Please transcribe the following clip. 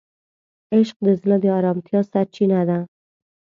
عشق د زړه د آرامتیا سرچینه ده.